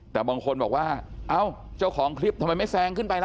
แต่บางคนบอกว่าเอ้าเจ้าของคลิปทำไมไม่แซงขึ้นไปล่ะ